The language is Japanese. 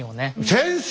先生！